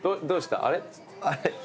どうしたの？